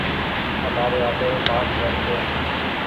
همآري آپيري پآنچ گهر ڇي۔